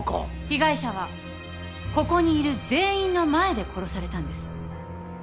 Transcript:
被害者はここにいる全員の前で殺されたんです。